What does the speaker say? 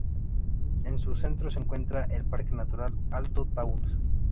En su centro se encuentra el Parque Natural Alto Taunus.